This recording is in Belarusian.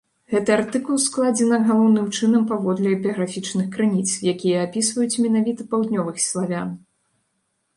Гэты артыкул складзена галоўным чынам паводле эпіграфічных крыніц, якія апісваюць менавіта паўднёвых славян.